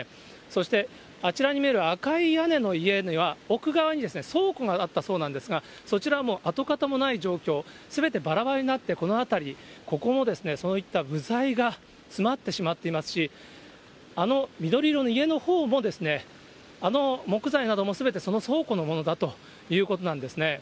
そして、あちらに見える赤い屋根の家には、奥側に倉庫があったそうなんですが、そちらも跡形もない状況、すべてばらばらになって、この辺り、ここもそういった部材が詰まってしまっていますし、あの緑色の家のほうも、あの木材などもすべてその倉庫のものだということなんですね。